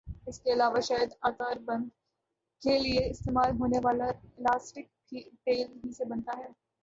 اس کے علاوہ شاید آزار بند کیلئے استعمال ہونے والا الاسٹک بھی تیل ہی سے بنتا ھے